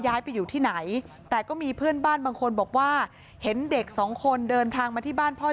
ย้ายไปอยู่ที่ไหนแต่ก็มีเพื่อนบ้านบางคนบอกว่าเห็นเด็กสองคนเดินทางมาที่บ้านพ่อ